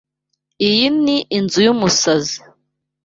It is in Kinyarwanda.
Iyi ni inzu yumusazi.